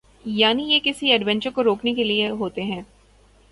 یعنی یہ کسی ایڈونچر کو روکنے کے لئے ہوتے ہیں۔